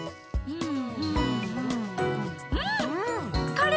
うん。